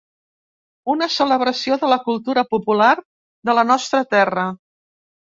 Una celebració de la cultura popular de la nostra terra.